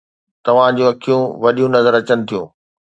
توهان جون اکيون وڏيون نظر اچن ٿيون.